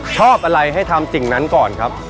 ชอบอะไรให้ทำสิ่งนั้นก่อนครับ